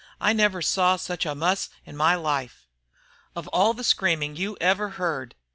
I never saw such a muss in my life. Of all the screaming you ever heard!